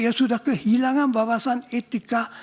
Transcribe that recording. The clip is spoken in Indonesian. dia sudah kehilangan wawasan etika